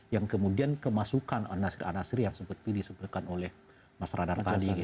yang kemudian kemasukan anasir anasir yang seperti disebutkan oleh mas radar tadi